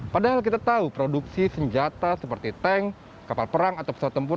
padahal kita tahu produksi senjata seperti tank kapal perang atau pesawat tempur